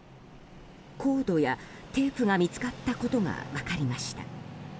コードやテープが見つかったことが分かりました。